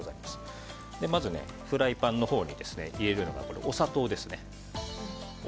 まずフライパンに入れるのがお砂糖です。